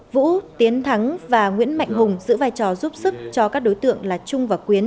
vũ tiến thắng và nguyễn mạnh hùng giữ vai trò giúp sức cho các đối tượng là trung và quyến